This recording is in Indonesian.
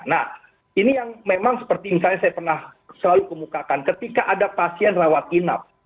nah ini yang memang seperti misalnya saya pernah selalu kemukakan ketika ada pasien rawat inap